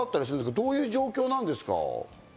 どういう状況ですか？